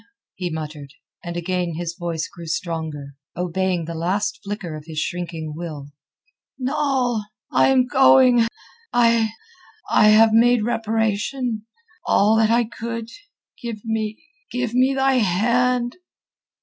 he muttered, and again his voice grew stronger, obeying the last flicker of his shrinking will. "Noll! I am going! I...I have made reparation... all that I could. Give me... give me thy hand!"